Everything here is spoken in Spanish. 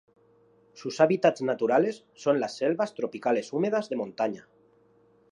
Sus hábitats naturales son las selvas tropicales húmedas de montaña.